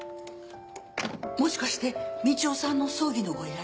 もしかして道夫さんの葬儀のご依頼？